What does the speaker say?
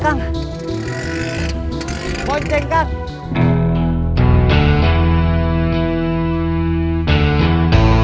akang harus pergi penting